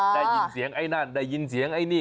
ได้ยินเสียงไอ้นั่นได้ยินเสียงไอ้นี่